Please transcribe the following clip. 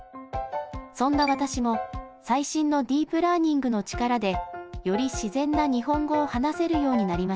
そんな私も最新のディープラーニングの力でより自然な日本語を話せるようになりました。